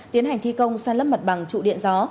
tiến hành thi công san lấp mặt bằng trụ điện gió